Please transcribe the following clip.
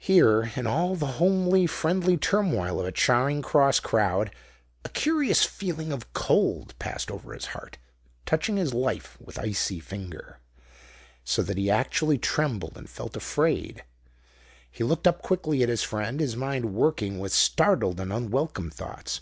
Here, in all the homely, friendly turmoil of a Charing Cross crowd, a curious feeling of cold passed over his heart, touching his life with icy finger, so that he actually trembled and felt afraid. He looked up quickly at his friend, his mind working with startled and unwelcome thoughts.